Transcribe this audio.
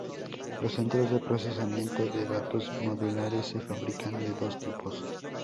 Los centros de procesamiento de datos modulares se fabrican de dos tipos.